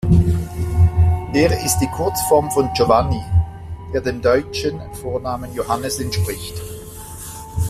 Er ist die Kurzform von Giovanni, der dem deutschen Vornamen Johannes entspricht.